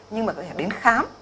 nhưng mà có thể đến khám